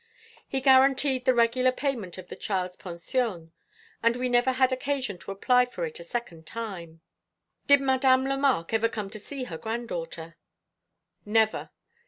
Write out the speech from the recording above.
He guaranteed the regular payment of the child's pension, and we never had occasion to apply for it a second time." "Did Madame Lemarque ever come to see her granddaughter?" "Never.